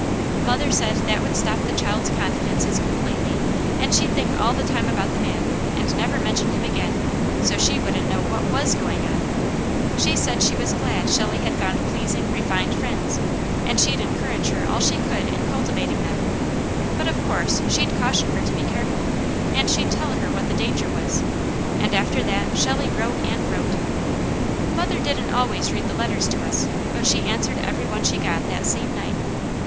Mother said that would stop the child's confidences completely and she'd think all the time about the man, and never mention him again, so she wouldn't know what WAS going on. She said she was glad Shelley had found pleasing, refined friends, and she'd encourage her all she could in cultivating them; but of course she'd caution her to be careful, and she'd tell her what the danger was, and after that Shelley wrote and wrote. Mother didn't always read the letters to us, but she answered every one she got that same night.